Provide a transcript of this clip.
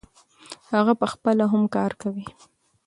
هغه پخپله هم کار کوي.